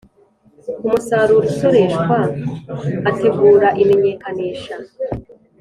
Umusaruro usoreshwa ategura imenyekanisha